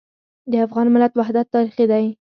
د افغان ملت وحدت تاریخي دی.